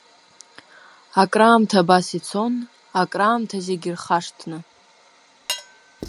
Акраамҭа абас ицон, акраамҭа зегь рхашҭны.